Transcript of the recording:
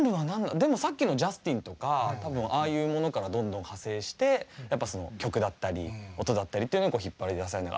でもさっきのジャスティンとか多分ああいうものからどんどん派生して曲だったり音だったりというのに引っ張り出されながら。